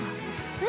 え？